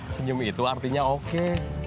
senyum itu artinya oke